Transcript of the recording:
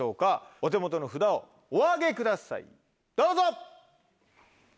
お手元の札をお上げくださいどうぞ！